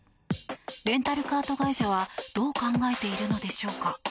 レンタルカート会社はどう考えているのでしょうか。